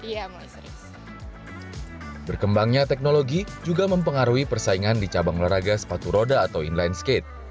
ya mulai serius berkembangnya teknologi juga mempengaruhi persaingan di cabang olahraga sepatu roda atau inline skate kalau dulu cabur ini menjadi